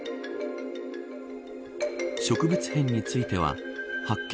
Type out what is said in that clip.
植物片については発見